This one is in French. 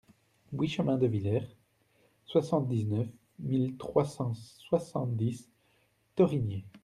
huit chemin de Vilert, soixante-dix-neuf mille trois cent soixante-dix Thorigné